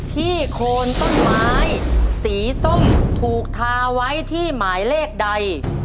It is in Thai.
โคนต้นไม้สีส้มถูกทาไว้ที่หมายเลขใด